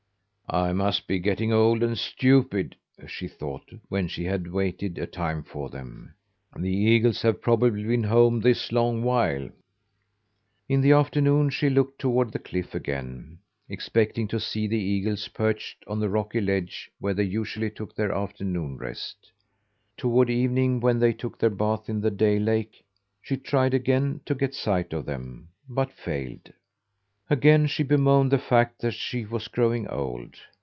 "I must be getting old and stupid," she thought, when she had waited a time for them. "The eagles have probably been home this long while." In the afternoon she looked toward the cliff again, expecting to see the eagles perched on the rocky ledge where they usually took their afternoon rest; toward evening, when they took their bath in the dale lake, she tried again to get sight of them, but failed. Again she bemoaned the fact that she was growing old.